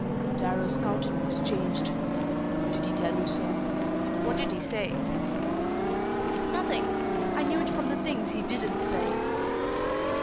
Darrow's countenance changed. "Did he tell you so? What did he say?" "Nothing! I knew it from the things he didn't say."